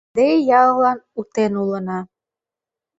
Ынде яллан утен улына...